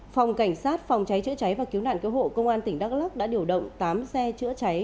phòng cảnh sát phòng cháy chữa cháy và cứu nạn cứu hộ công an tỉnh đắk lắc đã điều động tám xe chữa cháy